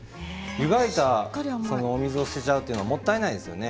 湯がいたお水を捨ててしまうのはもったいないですよね。